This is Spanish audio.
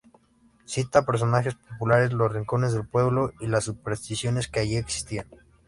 Cita a personajes populares, los rincones del pueblo y las supersticiones que allí existían.